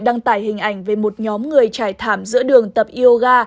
đăng tải hình ảnh về một nhóm người trải thảm giữa đường tập yoga